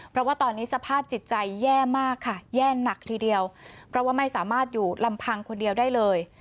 เพราะว่าตอนนี้สภาพจิตใจแย่มากค่ะแย่หนักทีเดียวเพราะว่าไม่สามารถอยู่ลำพังคนเดียวได้เลย